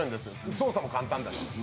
操作も簡単だし。